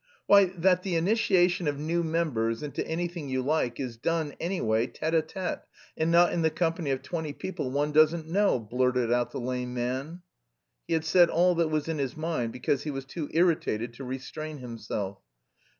"Why, that the initiation of new members into anything you like is done, anyway, tête à tête and not in the company of twenty people one doesn't know!" blurted out the lame man. He had said all that was in his mind because he was too irritated to restrain himself.